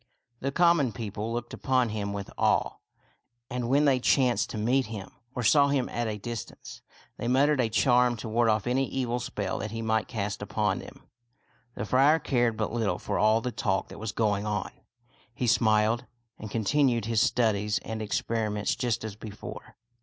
The common people looked upon him with awe ; and when they chanced to meet him, or saw him at a distance, they muttered a charm to ward off any evil spell that he might cast upon them. The friar cared but little for all the talk that was going on. He smiled, and continued his studies and experiments just as before.